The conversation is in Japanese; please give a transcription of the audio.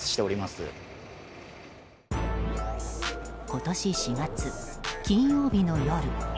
今年４月、金曜日の夜。